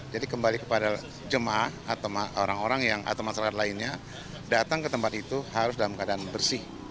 jadi kembali kepada jemaah atau orang orang yang atau masyarakat lainnya datang ke tempat itu harus dalam keadaan bersih